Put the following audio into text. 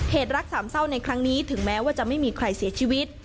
รักสามเศร้าในครั้งนี้ถึงแม้ว่าจะไม่มีใครเสียชีวิต